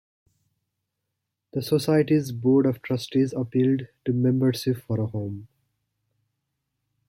The Society's Board of Trustees appealed to the membership for a home.